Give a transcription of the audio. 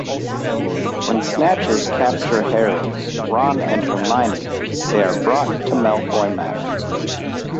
When Snatchers capture Harry, Ron, and Hermione, they are brought to Malfoy Manor.